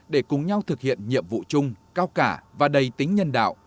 để cùng nhau thực hiện nhiệm vụ chung cao cả và đầy tính nhân đạo